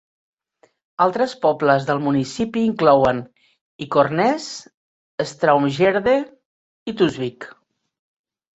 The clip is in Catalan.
Altres pobles del municipi inclouen Ikornnes, Straumgjerde i Tusvik.